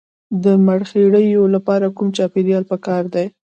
د مرخیړیو لپاره کوم چاپیریال پکار دی؟